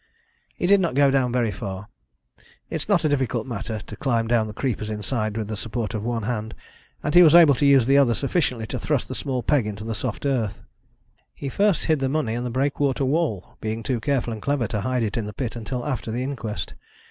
"He did not go down very far. It is not a difficult matter to climb down the creepers inside with the support of one hand, and he was able to use the other sufficiently to thrust the small peg into the soft earth. He first hid the money in the breakwater wall, being too careful and clever to hide it in the pit until after the inquest.